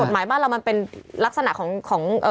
หมายบ้านเรามันเป็นลักษณะของ